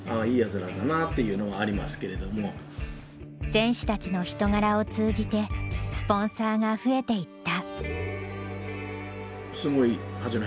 選手たちの人柄を通じてスポンサーが増えていった。